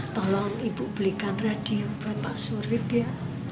tolong ibu belikan radio bapak surit ya